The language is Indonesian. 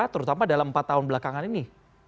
terutama dalam empat tahun belakangan ini